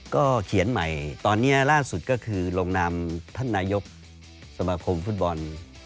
ก็เขียนใหม่ตอนนี้ล่าสุดก็คือลงนามท่านนายกสมาคมฟุตบอล